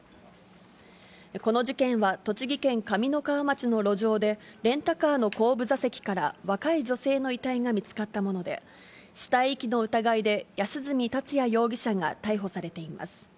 この事件は、栃木県上三川町の路上で、レンタカーの後部座席から若い女性の遺体が見つかったもので、死体遺棄の疑いで安栖達也容疑者が逮捕されています。